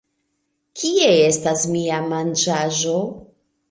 Kie estas mia manĝaĵo!